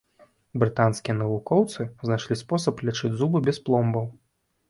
Брытанскія навукоўцы знайшлі спосаб лячыць зубы без пломбаў.